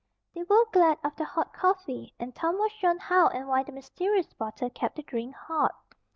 They were glad of the hot coffee, and Tom was shown how and why the mysterious bottle kept the drink hot.